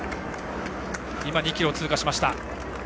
今、２ｋｍを通過しました。